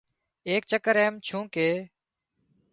ايڪ چڪر ايم ڇُون ڪي